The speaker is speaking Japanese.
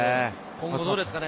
今後どうですかね？